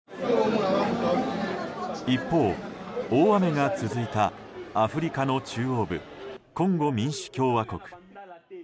一方、大雨が続いたアフリカの中央部コンゴ民主共和国。